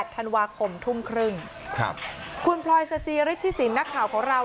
ธันวาคมทุ่มครึ่งครับคุณพลอยสจิฤทธิสินนักข่าวของเรา